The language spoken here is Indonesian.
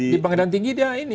di pengadilan tinggi dia ini